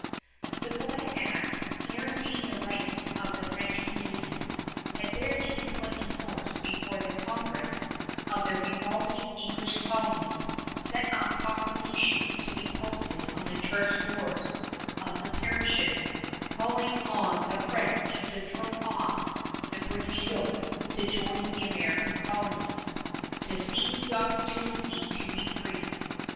The Quebec Act, guaranteeing the rights of the French Canadians, had barely been put in force before the Congress of the revolting English colonies sent up proclamations to be posted on the church doors of the parishes, calling on the French to throw off the British yoke, to join the American colonies, "to seize the opportunity to be free."